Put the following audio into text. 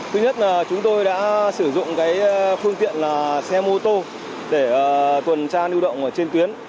thứ nhất là chúng tôi đã sử dụng phương tiện xe mô tô để tuần tra lưu động trên tuyến